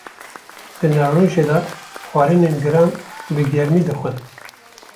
Di navrojê de xwarinên giran, bi germî dixwin.